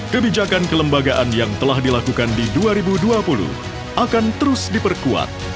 kebijakan kelembagaan yang telah dilakukan di dua ribu dua puluh akan terus diperkuat